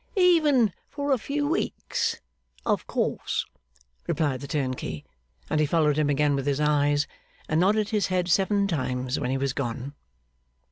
'Even for a few weeks, of course,' replied the turnkey. And he followed him again with his eyes, and nodded his head seven times when he was gone.